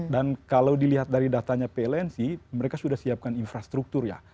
dan kalau dilihat dari datanya pln sih mereka sudah siapkan infrastruktur ya